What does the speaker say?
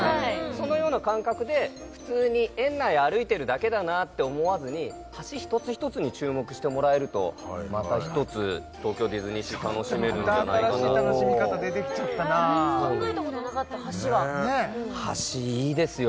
そのような感覚で普通に園内歩いてるだけだなって思わずに橋一つ一つに注目してもらえるとまた一つ東京ディズニーシー楽しめるんじゃないかなとまた新しい楽しみ方出てきちゃったなあ考えたことなかった橋はねっ橋いいですよ